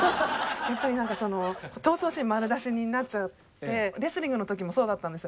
やっぱり闘争心丸出しになっちゃってレスリングの時もそうだったんです。